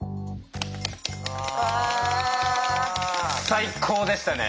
最高でしたね。